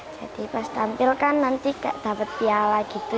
jadi pas tampil kan nanti dapat piala gitu